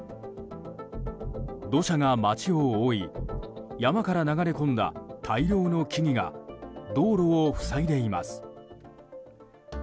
土砂が町を覆い山から流れ込んだ大量の木々が道路を塞いでいます。